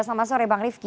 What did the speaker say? selamat sore bang rifki